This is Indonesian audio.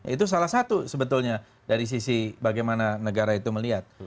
itu salah satu sebetulnya dari sisi bagaimana negara itu melihat